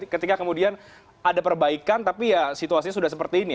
ketika kemudian ada perbaikan tapi ya situasinya sudah seperti ini